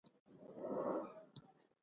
څه برخې یې په لغمان پورې تړلې وې.